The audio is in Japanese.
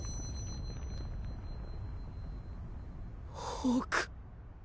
ホーク。